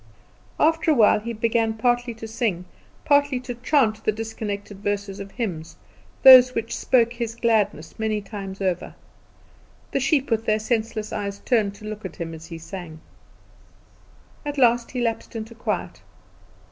After a while he began partly to sing, partly to chant the disconnected verses of hymns, those which spoke his gladness, many times over. The sheep with their senseless eyes turned to look at him as he sang. At last he lapsed into quiet.